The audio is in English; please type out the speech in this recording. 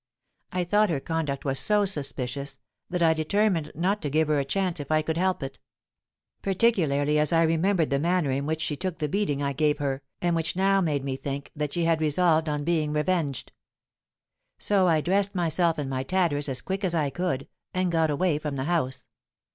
_' I thought her conduct was so suspicious, that I determined not to give her a chance if I could help it; particularly as I remembered the manner in which she took the beating I gave her, and which now made me think that she had resolved on being revenged. So I dressed myself in my tatters as quick as I could, and got away from the house.